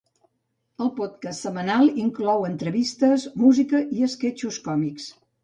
El podcast setmanal inclou entrevistes, música i esquetxos còmics.